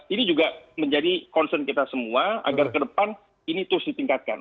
ini juga menjadi concern kita semua agar ke depan ini terus ditingkatkan